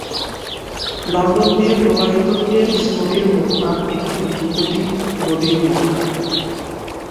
London দিয়ে প্রবাহিত Thames নদীর মোহনা একটি ধ্রুপদী নদীর মোহনা।